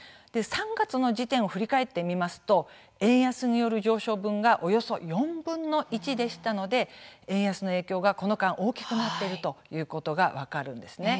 ３月の時点を振り返ってみますと円安による上昇分がおよそ４分の１でしたので円安の影響が、この間大きくなっているということが分かるんですね。